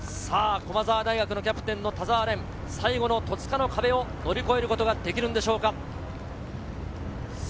駒澤大学のキャプテンの田澤廉、最後の戸塚の壁を乗り越えることができるんでしょうか。